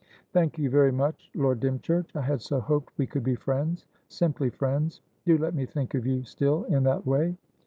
"Thank you very much, Lord Dymchurch. I had so hoped we could be friendssimply friends. Do let me think of you still in that way."